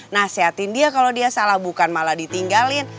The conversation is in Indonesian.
nasihatin dia kalau dia salah bukan malah ditinggalin